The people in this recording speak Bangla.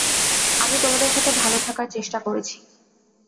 আমি তোমাদের সাথে ভাল থাকার চেষ্টা করেছি।